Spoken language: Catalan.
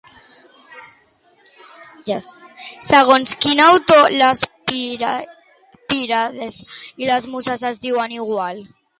Segons quin autor, les Pièrides i les Muses es diuen igual?